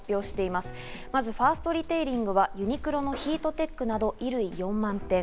まずファーストリテイリングはユニクロのヒートテックなど衣類４万点。